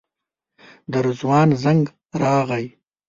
د رضوان زنګ راغی.